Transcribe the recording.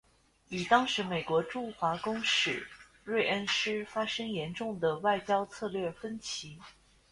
与当时美国驻华公使芮恩施发生严重的外交策略分歧。